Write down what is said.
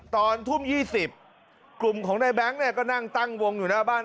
ตอนทุ่ม๒๐กลุ่มของในแบงค์เนี่ยก็นั่งตั้งวงอยู่หน้าบ้าน